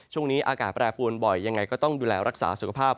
ช่วงนี้อากาศแปรปวนบ่อยยังไงก็ต้องดูแลรักษาสุขภาพ